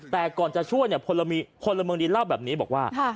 แต่ก่อนจะช่วยผลบรรมดีเล่าแบบนี้บอกว่า